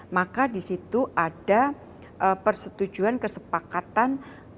maka disitu ada persetujuan kesepakatan